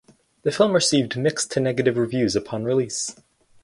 The film received mixed to negative reviews upon release.